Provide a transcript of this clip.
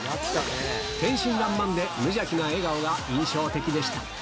天真らんまんで無邪気な笑顔が印象的でした。